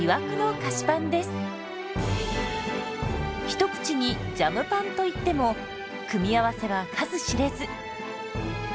一口に「ジャムパン」といっても組み合わせは数知れず。